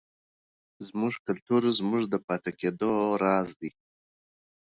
زموږ کلتور زموږ د پاتې کېدو راز دی.